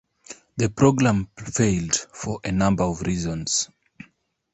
The program failed for a number of reasons.